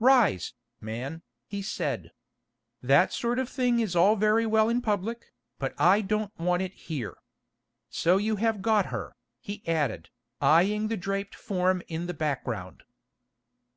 "Rise, man," he said. "That sort of thing is very well in public, but I don't want it here. So you have got her," he added, eyeing the draped form in the background.